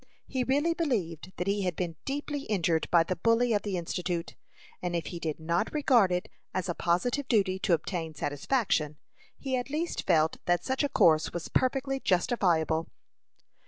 He really believed that he had been deeply injured by the bully of the Institute, and if he did not regard it as a positive duty to obtain satisfaction, he at least felt that such a course was perfectly justifiable.